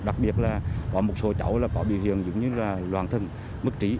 đặc biệt là có một số cháu là có biểu hiện giống như là loàn thân bất trí